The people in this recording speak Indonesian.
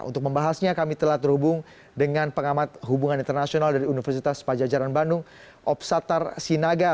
untuk membahasnya kami telah terhubung dengan pengamat hubungan internasional dari universitas pajajaran bandung opsatar sinaga